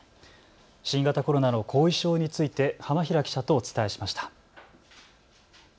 新型コロナの後遺症について浜平記者とお伝えしました。